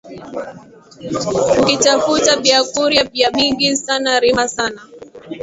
Ukitafuta byakuria bya mingi sana rima sana